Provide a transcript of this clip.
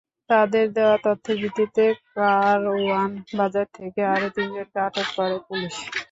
তাঁদের দেওয়া তথ্যের ভিত্তিতে কারওয়ান বাজার থেকে আরও তিনজনকে আটক করে পুলিশ।